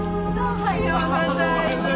おはようございます。